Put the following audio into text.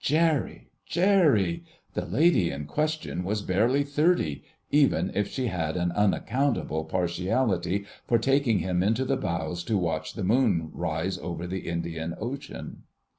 Jerry! Jerry! The lady in question was barely thirty, even if she had an unaccountable partiality for taking him into the bows to watch the moon rise over the Indian Ocean.